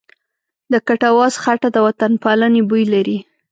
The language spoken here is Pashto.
د کټواز خټه د وطنپالنې بوی لري.